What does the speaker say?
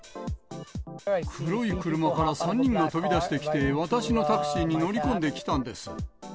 黒い車から３人が飛び出してきて、私のタクシーに乗り込んできたんです。